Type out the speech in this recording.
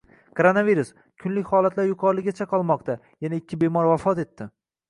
Koronavirus: Kunlik holatlar yuqoriligicha qolmoqda, yana ikki bemor vafot etdi